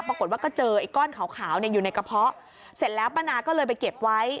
ปรากฏว่าก็เจอไอ้ก้อนขาวอยู่ในกระเพาะเสร็จแล้วป้านาก็เลยไปเก็บไว้